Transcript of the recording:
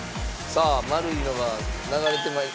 さあ丸いのが流れて参り